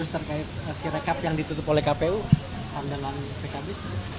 terkait hasil rekap yang ditutup oleh kpu pandangan pkb